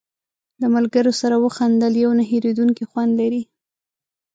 د ملګرو سره وخندل یو نه هېرېدونکی خوند لري.